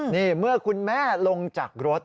นี่เมื่อคุณแม่ลงจากรถ